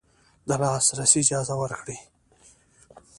د لاسرسي اجازه ورکړي